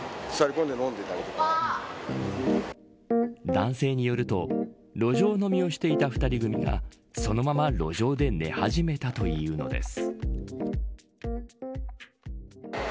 男性によると路上飲みをしていた２人組がそのまま路上で寝始めたというのです。